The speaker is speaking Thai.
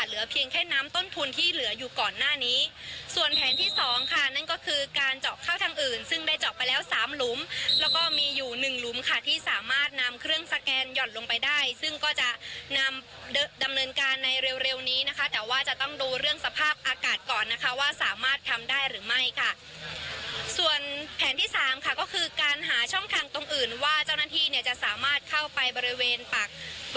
เหลือเพียงแค่น้ำต้นทุนที่เหลืออยู่ก่อนหน้านี้ส่วนแผนที่สองค่ะนั่นก็คือการเจาะเข้าทางอื่นซึ่งได้เจาะไปแล้วสามหลุมแล้วก็มีอยู่หนึ่งหลุมค่ะที่สามารถนำเครื่องสแกนหย่อนลงไปได้ซึ่งก็จะนำดำเนินการในเร็วเร็วนี้นะคะแต่ว่าจะต้องดูเรื่องสภาพอากาศก่อนนะคะว่าสามารถทำได้หรือไม่ค่